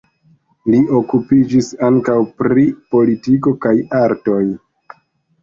Li okupiĝis ankaŭ pri politiko kaj artoj.